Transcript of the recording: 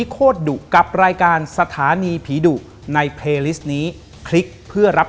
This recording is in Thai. ขอบคุณนะครับ